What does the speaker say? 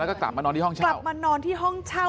แล้วก็กลับมานอนที่ห้องเช่ากลับมานอนที่ห้องเช่า